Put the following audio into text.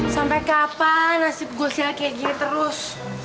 sampai kapan nasib gue sial kayak gini terus